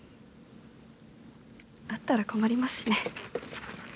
あったら困りますしね。